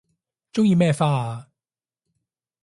鍾意咩花啊